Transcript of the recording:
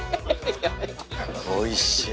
おいしい！